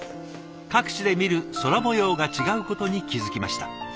各地で見る空もようが違うことに気付きました。